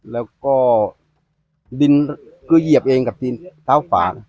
แล้วก็ดินคือเหยียบเองกับที่เท้าฝาง